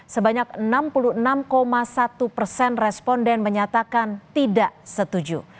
sebanyak enam puluh enam satu persen responden menyatakan tidak setuju